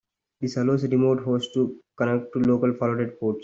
This allows remote hosts to connect to local forwarded ports.